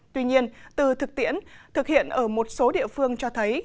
tuy nhiên từ thực tiễn thực hiện ở một số địa phương cho thấy